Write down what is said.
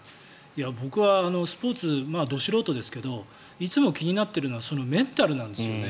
僕はスポーツど素人ですがいつも気になっているのはメンタルなんですよね。